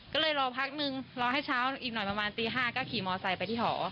ก็เลยรอพักนึงรอให้เช้าอีกหน่อยประมาณตี๕ก็ขี่มอไซค์ไปที่หอ